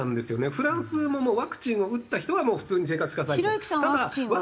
フランスももうワクチンを打った人はもう普通に生活してくださいと。